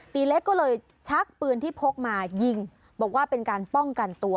ตีเล็กก็เลยชักปืนที่พกมายิงบอกว่าเป็นการป้องกันตัว